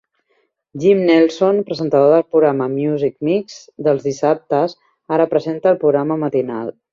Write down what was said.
Jim Nelson, presentador del programa "Music Mix" dels dissabtes, ara presenta el programa matinal.